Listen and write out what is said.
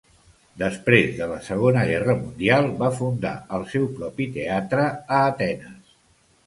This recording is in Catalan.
Després de la Segona Guerra Mundial, va fundar el seu propi teatre a Atenes.